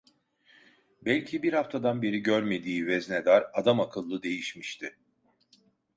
Belki bir haftadan beri görmediği veznedar adamakıllı değişmişti.